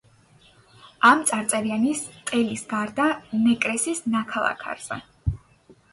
ამ წარწერიანი სტელის გარდა ნეკრესის ნაქალაქარზე.